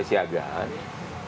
ini untuk apa